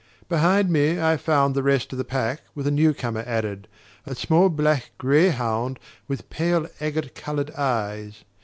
Behind me I found the rest of the pack, with a newcomer added: a small black greyhound with pale agate coloured eyes.